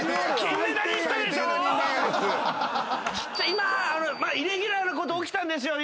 今イレギュラーなこと起きたんですよ。